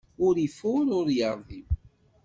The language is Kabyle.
Ur ifuṛ, ur iṛdim.